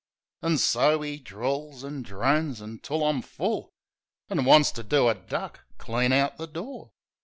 An' so 'e drawls an' drones until I'm full, An' wants to do a duck clean out the door.